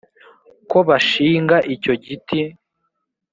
ko bashinga icyo giti